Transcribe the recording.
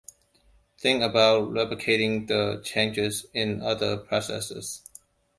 Think about replicating the changes in other processes.